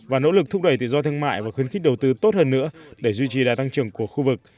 và nỗ lực thúc đẩy tự do thương mại và khuyến khích đầu tư tốt hơn nữa để duy trì đa tăng trưởng của khu vực